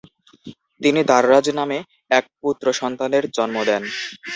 তিনি দাররাজ নামে এক পুত্র সন্তানের জন্ম দেন।